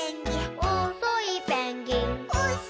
「おっそいペンギン」